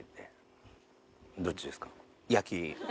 どっちですか？